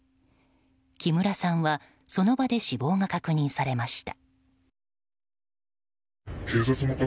木村さんはその場で死亡が確認されました。